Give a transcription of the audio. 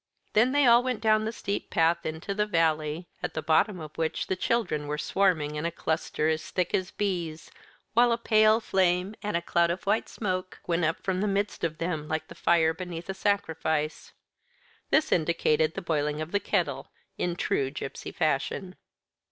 Then they all went down the steep path into the valley, at the bottom of which the children were swarming in a cluster, as thick as bees, while a pale flame and a cloud of white smoke went up from the midst of them like the fire beneath a sacrifice. This indicated the boiling of the kettle, in true gipsy fashion.